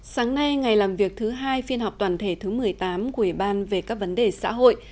sáng nay ngày làm việc thứ hai phiên họp toàn thể thứ một mươi tám của ủy ban về các vấn đề xã hội